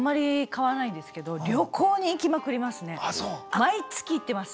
毎月行ってます。